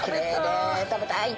食べたい！